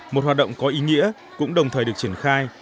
một hoạt động có ý nghĩa cũng đồng thời được triển khai